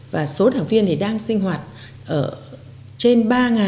và số đảng viên thì đang sinh hoạt ở trên ba hai trăm linh